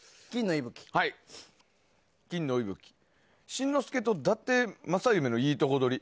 新之助とだて正夢のいいとこ取り。